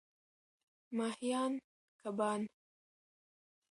ماهیان √ کبان